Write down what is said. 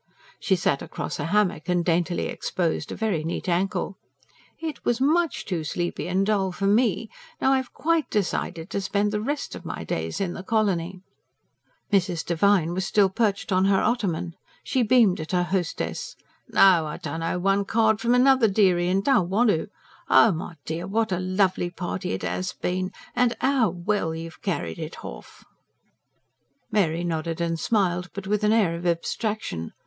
She sat across a hammock, and daintily exposed a very neat ankle. "It was much too sleepy and dull for ME! No, I've QUITE decided to spend the rest of my days in the colony." Mrs. Devine was still perched on her ottoman. She beamed at her hostess. "No, I dunno one card from another, dearie, and don' want to. Oh, my dear, what a LOVELY party it 'as been, and 'ow well you've carried it h'off!" Mary nodded and smiled; but with an air of abstraction.